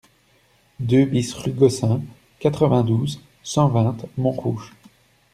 deux BIS rue Gossin, quatre-vingt-douze, cent vingt, Montrouge